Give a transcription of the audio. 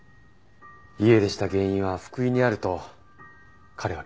家出した原因は福井にあると彼は気づいてたんでしょう。